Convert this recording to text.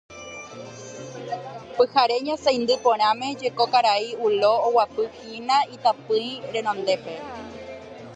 Pyhare ñasaindy porãme jeko karai Ulo oguapyhína itapỹi renondépe.